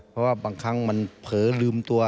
เพราะว่าบางครั้งมันเผลอลืมตัว